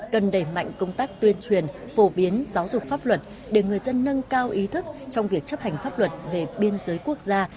cần đẩy mạnh công tác tuyên truyền phổ biến giáo dục pháp luật để người dân nâng cao ý thức trong việc chấp hành pháp luật về biên giới quốc gia